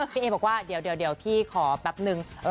พี่เอบอกว่าเดี๋ยวพี่ขอแป๊บนึง